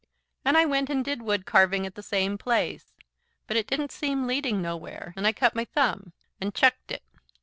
And I went and did wood carving at the same place. But it didn't seem leading nowhere, and I cut my thumb and chucked it."